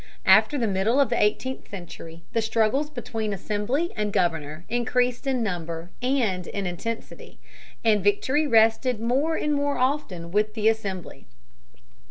After the middle of the eighteenth century, the struggles between assembly and governor increased in number and in intensity, and victory rested more and more often with the assembly.